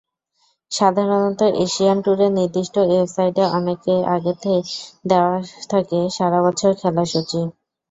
সাধারণত এশিয়ান টুরের নির্দিষ্ট ওয়েবসাইটে অনেক আগেই দেওয়া থাকে সারা বছরের খেলার সূচি।